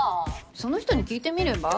その人に聞いてみれば？